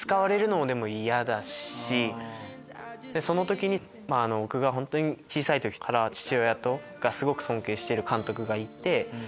その時に僕が本当に小さい時から父親がすごく尊敬している監督がいて。